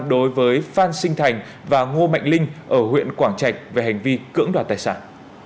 đối với phan sinh thành và ngô mạnh linh ở huyện quảng trạch về hành vi cưỡng đoạt tài sản